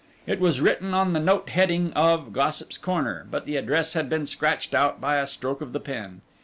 It was written on the note heading of Gossip's Corner, but the address had been scratched out by a stroke of the pen.